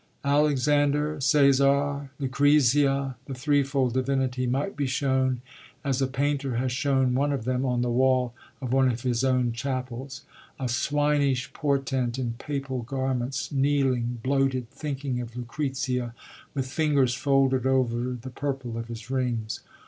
Alexander, Cæsar, Lucrezia, the threefold divinity, might be shown as a painter has shown one of them on the wall of one of his own chapels: a swinish portent in papal garments, kneeling, bloated, thinking of Lucrezia, with fingers folded over the purple of his rings.